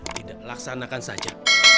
tidak laksanakan saja